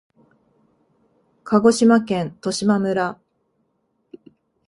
鹿児島県十島村